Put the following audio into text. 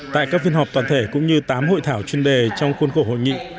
tại các phiên họp toàn thể cũng như tám hội thảo chuyên đề trong khuôn khổ hội nghị